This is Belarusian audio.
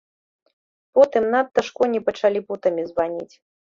Потым надта ж коні пачалі путамі званіць.